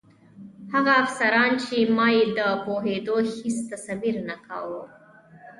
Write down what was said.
هغه افسران چې ما یې د پوهېدو هېڅ تصور نه کاوه.